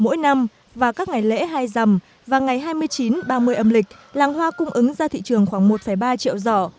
mỗi năm vào các ngày lễ hai rằm và ngày hai mươi chín ba mươi âm lịch làng hoa cung ứng ra thị trường khoảng một ba triệu giỏ